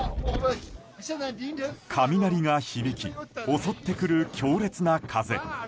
雷が響き襲ってくる強烈な風。